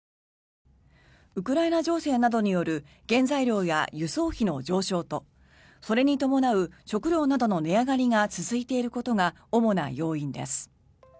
ウクライナ情勢などによる原材料や輸送費の上昇とそれに伴う食料などの値上がりが続いていることが主な要因です。